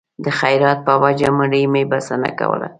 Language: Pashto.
د خیرات په وچه مړۍ مې بسنه کوله